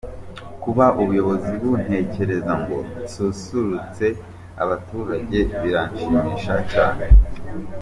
Kuba ubuyobozi buntekereza ngo nsusurutse abaturage biranshimisha cyane.